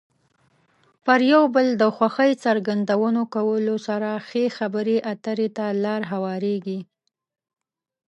پر یو بل د خوښۍ څرګندونه کولو سره ښې خبرې اترې ته لار هوارېږي.